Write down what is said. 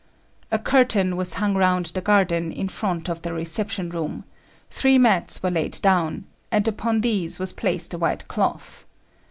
A curtain was hung round the garden in front of the reception room; three mats were laid down, and upon these was placed a white cloth.